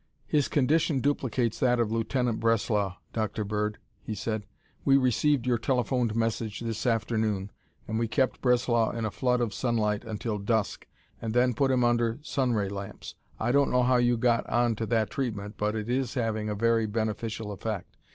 "His condition duplicates that of Lieutenant Breslau, Dr. Bird," he said. "We received your telephoned message this afternoon and we kept Breslau in a flood of sunlight until dusk, and then put him under sun ray lamps. I don't know how you got on to that treatment, but it is having a very beneficial effect.